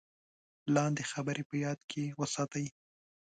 لاندې خبرې په یاد کې وساتئ: